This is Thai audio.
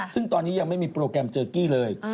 ซึ่งตอนนี้ยังไม่มีโปรแกรมเจอกี้เลย